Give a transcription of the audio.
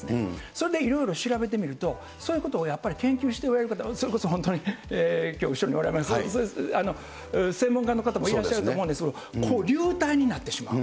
それでいろいろ調べてみると、そういうことをやっぱり研究しておられる方、それこそ本当に、きょう後ろにおられます、専門家の方もいらっしゃると思うんですけれども、流体になってしまう。